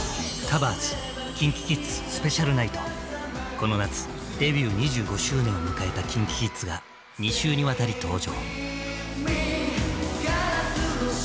この夏デビュー２５周年を迎えたＫｉｎＫｉＫｉｄｓが２週にわたり登場。